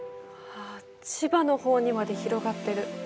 千葉の方にまで広がってる。